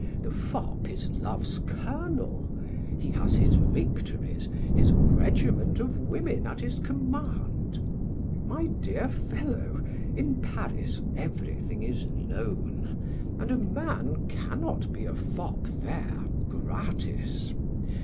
The fop is love's colonel; he has his victories, his regiment of women at his command. My dear fellow, in Paris everything is known, and a man cannot be a fop there gratis.